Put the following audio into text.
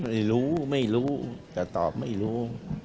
ไม่รู้ไม่รู้แต่ตอบไม่รู้